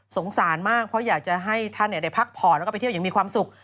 สารมากเพราะอยากจะให้ท่านได้พักผ่อนแล้วก็ไปเที่ยวอย่างมีความสุข